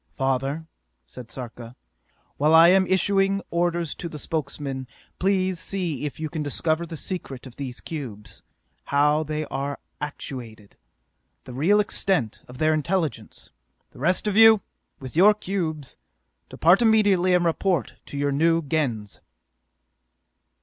"Father," said Sarka, "while I am issuing orders to the Spokesmen, please see if you can discover the secret of these cubes: how they are actuated, the real extent of their intelligence! The rest of you, with your cubes, depart immediately and report to your new Gens!"